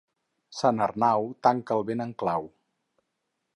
Sant Arnau tanca el vent amb clau.